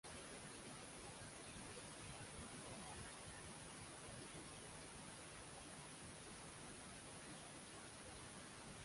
রামানন্দ শতবার্ষিকী কলেজটি গড়ে ওঠে মানভূম আনন্দ আশ্রম নিত্যানন্দ ট্রাস্টের ভবন ও জমিতে।